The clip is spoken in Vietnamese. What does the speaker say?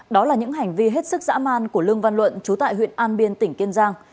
đó là những hành vi hết sức dã man của lương văn luận chú tại huyện an biên tỉnh kiên giang